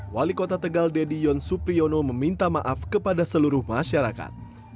wali kota tegal dedy yon supriyono meminta maaf kepada seluruh masyarakat